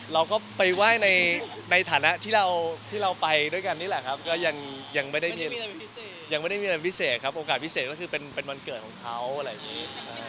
เราก็ไปไหว้ในฐานะที่เราไปด้วยกันนี่แหละครับก็ยังไม่ได้มีอะไรพิเศษครับโอกาสพิเศษก็คือเป็นวันเกิดของเขาอะไรอย่างนี้